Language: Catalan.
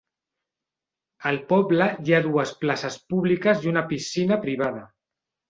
Al poble hi ha dues places públiques i una piscina privada.